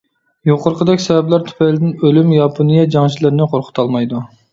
يۇقىرىقىدەك سەۋەبلەر تۈپەيلىدىن، ئۆلۈم ياپونىيە جەڭچىلىرىنى قورقۇتالمايدۇ.